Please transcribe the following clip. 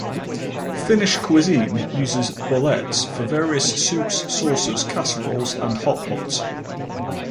Finnish cuisine uses boletes for various soups, sauces, casseroles, and hotpots.